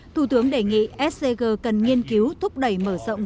thủ tướng đề nghị scg cần nghiên cứu thúc đẩy mở rộng